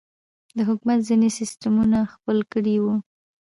د حکومت ځينې سسټمونه خپل کړي وو.